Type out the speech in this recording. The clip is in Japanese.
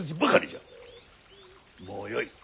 もうよい。